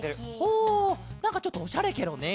おなんかちょっとおしゃれケロね。